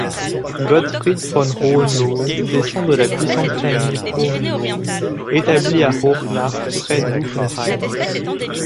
Gottfried von Hohenlohe descend de la puissante famille Hohenlohe établie à Hohlach, près d'Uffenheim.